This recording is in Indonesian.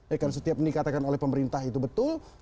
ya kalau setiap ini dikatakan oleh pemerintah itu betul